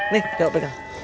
nih coba pegang